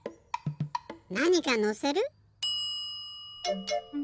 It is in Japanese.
なにかのせる？